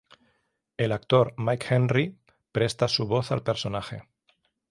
El actor Mike Henry presta su voz al personaje.